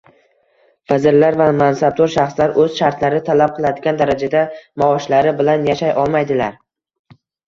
Vazirlar va mansabdor shaxslar o'z shartlari talab qiladigan darajada maoshlari bilan yashay olmaydilar